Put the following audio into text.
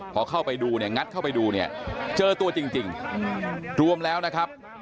พอเข้าไปดูเนี่ยงัดเข้าไปดูเนี่ยเจอตัวจริงรวมแล้วนะครับ